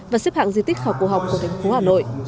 và xếp hạng di tích khảo cổ học của thành phố hà nội